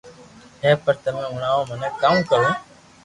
ھي پر تمي ھڻاوُ مني ڪاو ڪرو